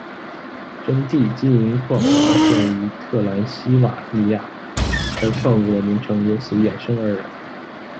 针碲金银矿发现于特兰西瓦尼亚，该矿物的名称由此衍生而来。